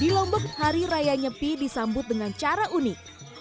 di lombok hari raya nyepi disambut dengan cara unik